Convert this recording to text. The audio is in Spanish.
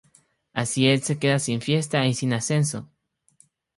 Así, Ed se queda sin fiesta y sin ascenso.